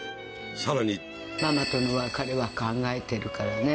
さらにママとの別れは考えてるからね